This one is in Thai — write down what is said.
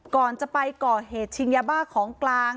ก่อนจะไปก่อเหตุชิงยาบ้าของกลาง